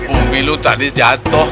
umi lu tadi jatuh